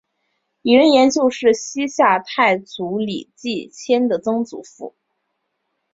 李仁颜就是西夏太祖李继迁的曾祖父。